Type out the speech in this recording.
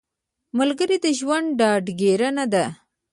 ملګری د ژوند ډاډګیرنه ده